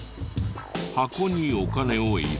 箱にお金を入れ。